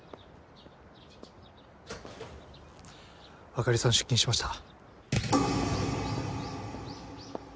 あかりさん出勤しました。